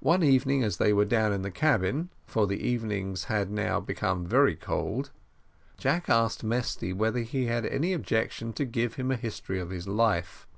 One evening, as they were down in the cabin, for the evenings had now become very cold, Jack asked Mesty whether he had any objection to give him a history of his life.